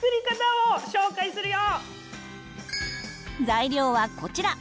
材料はこちら。